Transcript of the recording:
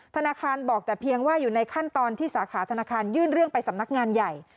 ธนาคารบอกแต่เพียงว่าอยู่ในขั้นตอนที่สาขาธนาคารยื่นเรื่องไปสำนักงานใหญ่